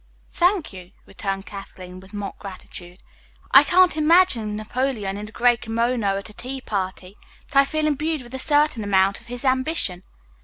"Thank you," returned Kathleen with mock gratitude. "I can't imagine Napoleon in a gray kimono at a tea party, but I feel imbued with a certain amount of his ambition.